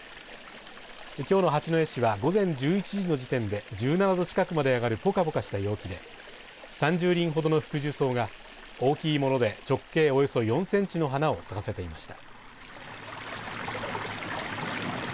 きょうの八戸市は午前１１時の時点で１７度近くまで上がるぽかぽかとした陽気で３０輪ほどのフクジュソウが大きいもので直径４センチの花を咲かせていました。